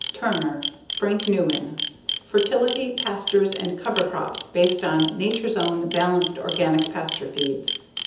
Turner, Frank Newman. _Fertility, Pastures and Cover Crops Based on Nature's Own Balanced Organic Pasture Feeds.